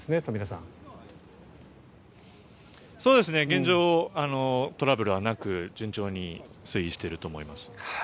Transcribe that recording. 現状、トラブルはなく順調に推移していると思います。